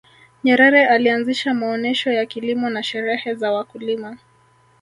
nyerere alianzisha maonesho ya kilimo na sherehe za wakulima